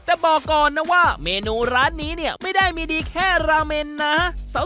แต่บอกก่อนนะว่าเมนูร้านนี้เนี่ยไม่ได้มีดีแค่ราเมนนะ